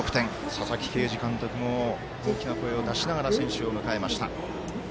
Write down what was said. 佐々木啓司監督も大きな声を出しながら選手を迎えました。